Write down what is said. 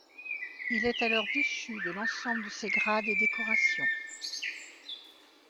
Il est alors déchu de l'ensemble de ses grades et décorations.